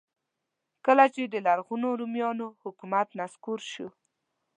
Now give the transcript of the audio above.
کله چې د لرغونو رومیانو حکومت نسکور شو.